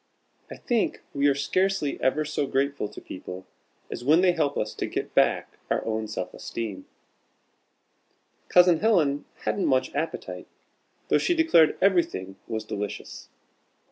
I think we are scarcely ever so grateful to people as when they help us to get back our own self esteem. Cousin Helen hadn't much appetite, though she declared everything was delicious.